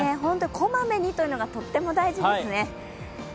こまめにというのがとっても大事ですね。